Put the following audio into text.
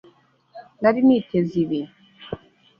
Nari niteze ibi.